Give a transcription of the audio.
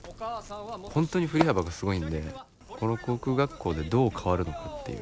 本当に振り幅がすごいんでこの航空学校でどう変わるのかっていう。